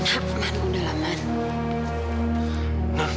apa yang kamu lakukan man